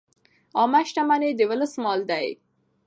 عامه شتمني د ولس مال دی.